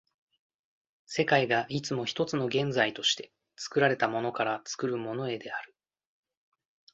世界がいつも一つの現在として、作られたものから作るものへである。